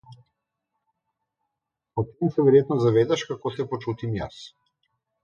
Potem se verjetno zavedaš kako se počutim jaz.